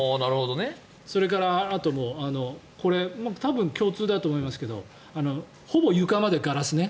それからあと多分共通だと思いますけどほぼ床までガラスね。